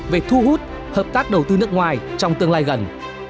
về thu hút hợp tác đầu tư nước ngoài trong tương lai gần